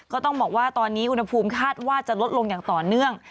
ก็ต้องบอกว่าตอนนี้อุณหภูมิคาดว่าจะลดลงอย่างต่อเนื่อง